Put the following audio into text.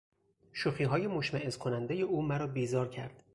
شوخیهای مشمئز کنندهی او مرا بیزار کرد.